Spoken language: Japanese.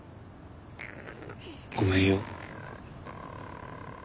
ごめんよ。